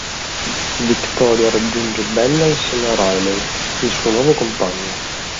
Victoria raggiunge Bella insieme a Riley, il suo nuovo compagno.